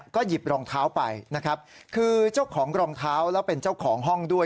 ก็หยิบรองเท้าไปนะครับคือเจ้าของรองเท้าแล้วเป็นเจ้าของห้องด้วย